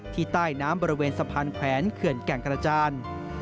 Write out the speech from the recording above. ใต้น้ำบริเวณสะพานแขวนเขื่อนแก่งกระจาน